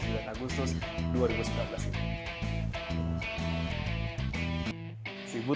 sibuta dari gohantu